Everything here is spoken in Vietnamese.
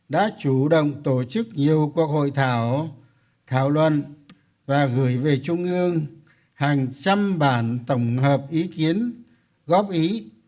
đã chủ động tổ chức nhiều cuộc hội thảo thảo luận và gửi về trung ương hàng trăm bản tổng hợp ý kiến góp ý